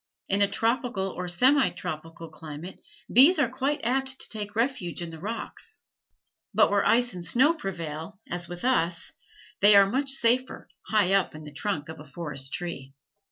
In a tropical or semi tropical climate bees are quite apt to take refuge in the rocks, but where ice and snow prevail, as with us, they are much safer high up in the trunk of a forest tree.